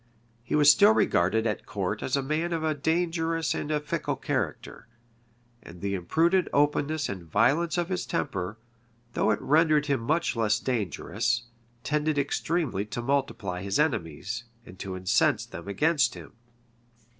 He was still regarded at court as a man of a dangerous and a fickle character; and the imprudent openness and violence of his temper, though it rendered him much less dangerous, tended extremely to multiply his enemies, and to incense them against him.